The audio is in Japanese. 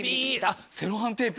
あっセロハンテープ。